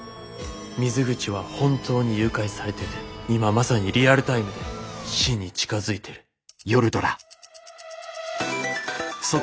水口は本当に誘拐されてて今まさにリアルタイムで死に近づいてる。